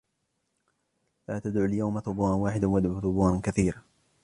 لا تدعوا اليوم ثبورا واحدا وادعوا ثبورا كثيرا